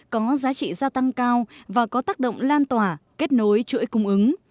có giá trị gia tăng cao và có tác động lan tỏa kết nối chuỗi cung ứng